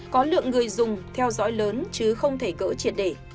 có lượng người dùng theo dõi lớn chứ không thể cỡ triệt để